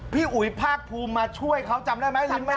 พี่อุ๋ยภาคภูมิมาช่วยเขาจำได้ไหมลิ้นไหม